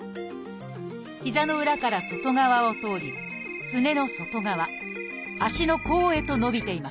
膝の裏から外側を通りすねの外側足の甲へと伸びています。